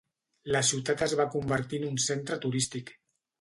La ciutat es va convertir en un centre turístic.